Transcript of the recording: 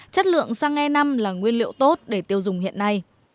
chất lượng xăng e năm là nguyên liệu tốt để tiêu dùng hiện nay